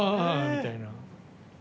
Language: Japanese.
みたいな。